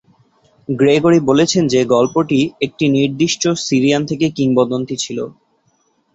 Gregory বলেছেন যে গল্পটি "একটি নির্দিষ্ট সিরিয়ান" থেকে কিংবদন্তি ছিল।